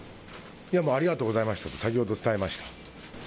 ありがとうございましたと先ほど伝えました。